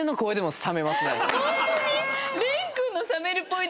ホントに？